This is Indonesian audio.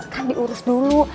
kan diurus dulu